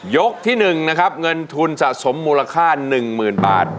ที่๑นะครับเงินทุนสะสมมูลค่า๑๐๐๐บาท